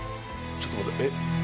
ちょっと待って。